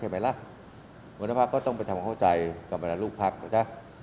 หัวหน้าภักร์ก็ต้องไปทำเข้าใจกับอลหน้าลูกภักร์